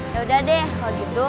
yaudah deh kalau gitu